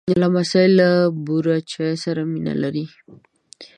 لمسی له بوره چای سره مینه لري.